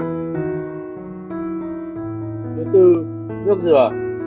thứ tư nước dừa